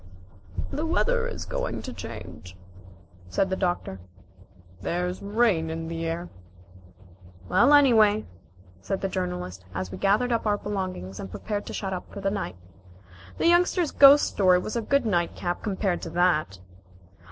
"The weather is going to change," said the Doctor. "There's rain in the air." "Well, anyway," said the Journalist, as we gathered up our belongings and prepared to shut up for the night, "the Youngster's ghost story was a good night cap compared to that."